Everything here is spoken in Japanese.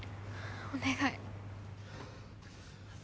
お願い！